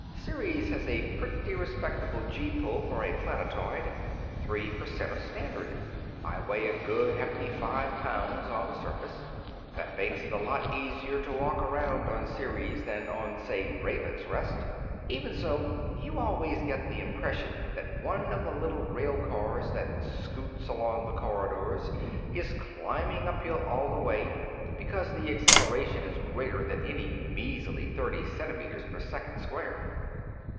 Ceres has a pretty respectable gee pull for a planetoid: Three per cent of Standard. I weigh a good, hefty five pounds on the surface. That makes it a lot easier to walk around on Ceres than on, say, Raven's Rest. Even so, you always get the impression that one of the little rail cars that scoots along the corridors is climbing uphill all the way, because the acceleration is greater than any measly thirty centimeters per second squared.